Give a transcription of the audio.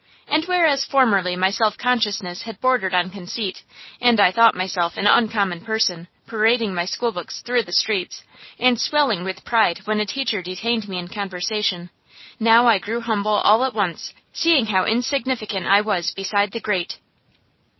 And whereas formerly my self consciousness had bordered on conceit, and I thought myself an uncommon person, parading my schoolbooks through the streets, and swelling with pride when a teacher detained me in conversation, now I grew humble all at once, seeing how insignificant I was beside the Great.